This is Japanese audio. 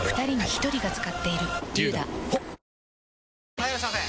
・はいいらっしゃいませ！